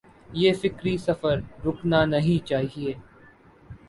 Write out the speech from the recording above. یہ فکری سفر رکنا نہیں چاہیے۔